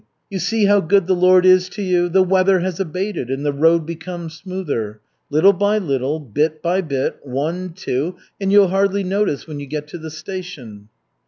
You see how good the Lord is to you? The weather has abated and the road become smoother. Little by little, bit by bit, one, two, and you'll hardly notice when you get to the station."